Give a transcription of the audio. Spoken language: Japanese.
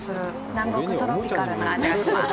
南国、トロピカルな味がします。